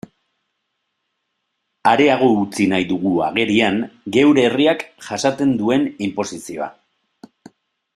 Areago utzi nahi dugu agerian geure herriak jasaten duen inposizioa.